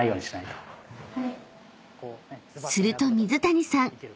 ［すると水谷さん